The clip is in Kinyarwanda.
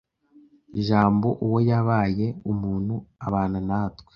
Jambo uwo yabaye umuntu, abana natwe